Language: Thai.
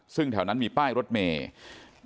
ซึ่งแถวนั้นมีป้ายรถเมย์